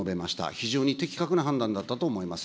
非常に的確な判断だったと思います。